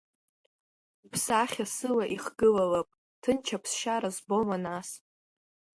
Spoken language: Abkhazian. Бсахьа сыла ихгылалап, ҭынч аԥсшьара збома, нас?